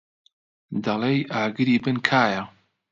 دەڵێی ئاگری بن کایە.